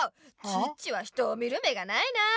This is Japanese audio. チッチは人を見る目がないなあ！